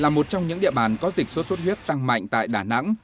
là một trong những địa bàn có dịch sốt xuất huyết tăng mạnh tại đà nẵng